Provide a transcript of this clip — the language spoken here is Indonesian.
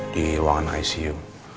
di ruangan icu